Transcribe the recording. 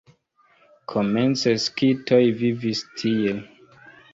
Komence skitoj vivis tie.